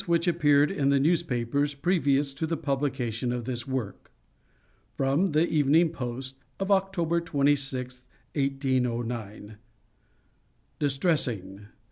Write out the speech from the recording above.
WHICH APPEARED IN THE NEWSPAPERS PREVIOUS TO THE PUBLICATION OF THIS WORK. From the "Evening Post" of October 26, 1809. DISTRESSING.